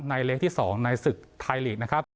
เลขที่๒ในศึกไทยลีกนะครับ